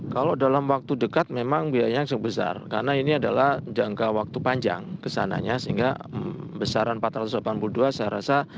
kalau dalam waktu dekat memang biayanya sebesar karena ini adalah jangka waktu panjang kesananya sehingga besaran empat ratus delapan puluh dua saya rasa